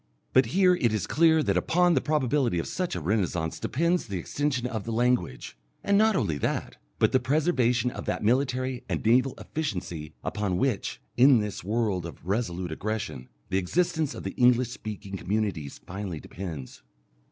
But here it is clear that upon the probability of such a renascence depends the extension of the language, and not only that, but the preservation of that military and naval efficiency upon which, in this world of resolute aggression, the existence of the English speaking communities finally depends.